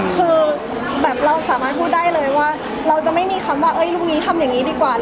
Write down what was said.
คือแบบเราสามารถพูดได้เลยว่าเราจะไม่มีคำว่าลูกนี้ทำอย่างนี้ดีกว่า